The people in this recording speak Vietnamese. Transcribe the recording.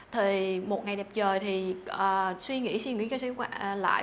thì một ngày đẹp trời thì suy nghĩ suy nghĩ cho sẽ lại